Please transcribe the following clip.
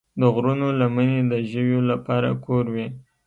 د غرونو لمنې د ژویو لپاره کور وي.